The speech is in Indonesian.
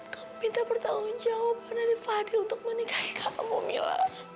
kamu minta bertanggung jawaban dari fadil untuk menikahi kamu mila